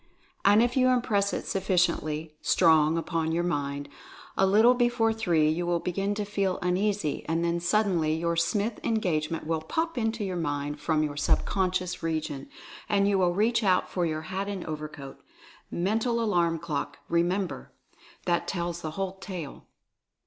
And if you impress it sufficiently strong upon your mind, a little before three you will begin to feel uneasy, and then suddenly your Smith engagement will "pop" into your mind from your sub conscious region, and you will reach out for your hat and overcoat. Mental Alarm clock, remember! That tells the whole tale.